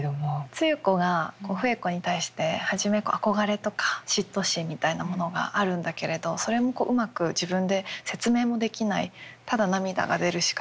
露子がこう笛子に対して初め憧れとか嫉妬心みたいなものがあるんだけれどそれもうまく自分で説明もできないただ涙が出るしかない。